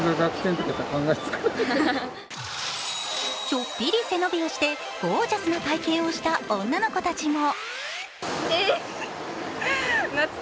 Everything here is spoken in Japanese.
ちょっぴり背伸びをしてゴージャスな体験をした女の子たちも。